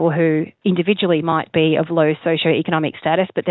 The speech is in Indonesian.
yang individu mungkin berstatus sosioekonomik rendah